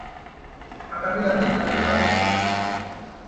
Makabila mengi Tanzania hupenda viazi